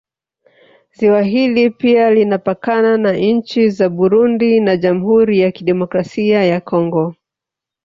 Ziwa hili pia linapakana na nchi za Burundi na jamhuri ya Kidemokrasia ya Congo